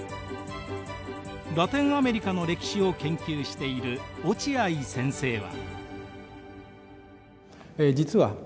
ラテンアメリカの歴史を研究している落合先生は。